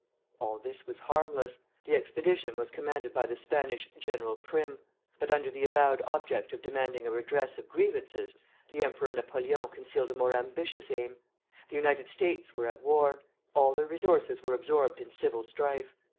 All this was harmless. The expedition was commanded by the Spanish General Prim; but under the avowed object of demanding a redress of grievances, the Emperor Napoleon concealed a more ambitious aim. The United States were at war; all their resources were absorbed in civil strife.